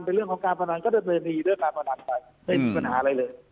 เป็นเรื่องของการพนันก็ดำเนินคดีด้วยการพนันไปไม่มีปัญหาอะไรเลย